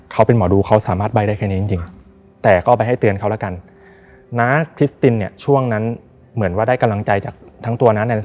เขาเป็นหมอดูเขาสามารถใบได้แค่นี้จริง